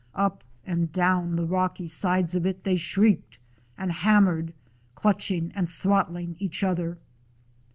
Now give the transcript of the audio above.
Up and down the rocky sides of it they shrieked and hammered, clutching and throt tling each other.